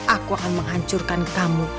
aku akan menghancurkan kamu